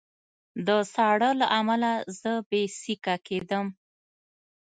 د ساړه له امله زه بې سېکه کېدم